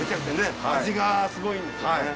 味がすごいんですよね。